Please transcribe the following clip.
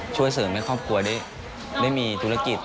ช่วยเสริมให้ครอบครัวได้มีธุรกิจ